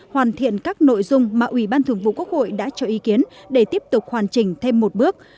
hoàn thiện các nội dung mà ủy ban thường vụ quốc hội đã cho ý kiến để tiếp tục hoàn chỉnh thêm một bước